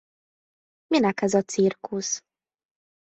Minek ez a cirkusz?